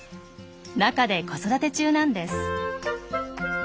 中で子育て中なんです。